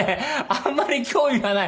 あんまり興味がない。